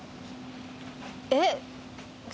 えっ？